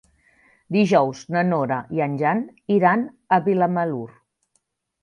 Dijous na Nora i en Jan iran a Vilamalur.